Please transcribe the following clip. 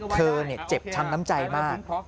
เจ็บช้ำน้ำใจมาก